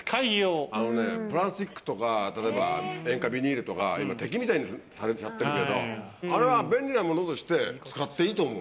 あのね、プラスチックとか、例えば塩化ビニールとか、敵みたいにされちゃってるけど、あれは便利なものとして使っていいと思う。